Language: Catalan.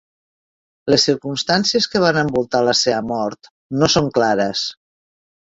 Les circumstàncies que van envoltar la seva mort no són clares.